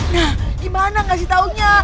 nah gimana kasih tahunya